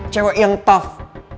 cewek yang tough